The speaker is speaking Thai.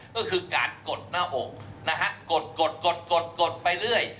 ก็คือการกดหน้าอกนะฮะกดกดไปเรื่อย